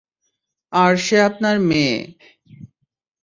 আর সে আপনার মেয়ে।